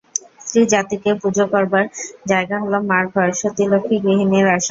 স্ত্রীজাতিকে পুজো করবার জায়গা হল মার ঘর, সতীলক্ষ্ণী গৃহিণীর আসন।